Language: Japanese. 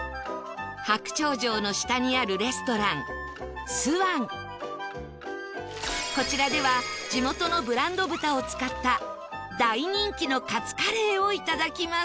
白鳥城の下にあるこちらでは地元のブランド豚を使った大人気のカツカレーをいただきます